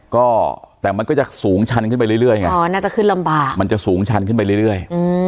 ก็แต่มันก็จะสูงชันขึ้นไปเรื่อยไงอ๋อน่าจะขึ้นลำบากมันจะสูงชันขึ้นไปเรื่อย